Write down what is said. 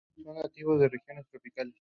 Son nativos de regiones tropicales.